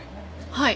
はい。